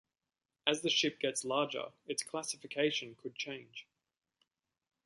As the ship gets larger, its classification could change.